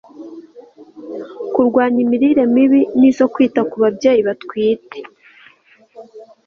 kurwanya imirire mibi n izo kwita ku babyeyi batwite